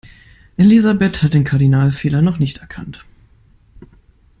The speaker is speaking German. Elisabeth hat den Kardinalfehler noch nicht erkannt.